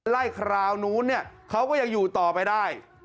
คราวนู้นเนี่ยเขาก็ยังอยู่ต่อไปได้